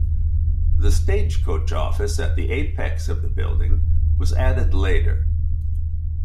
The stage coach office at the apex of the building was added later.